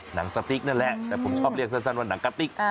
หนังสติ๊กนั่นแหละแต่ผมชอบเรียกสั้นว่าหนังกะติ๊ก